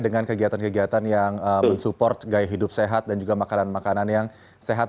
dengan kegiatan kegiatan yang mensupport gaya hidup sehat dan juga makanan makanan yang sehat